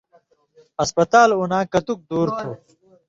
اَسپتال اُناں کتِیُوک دُور تُھو؟